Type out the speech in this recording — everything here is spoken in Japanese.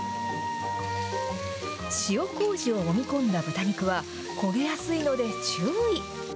塩こうじをもみ込んだ豚肉は、焦げやすいので注意。